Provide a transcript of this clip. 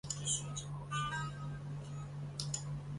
其中一个展出项目为由孵蛋器组成的幼鸡孵化器。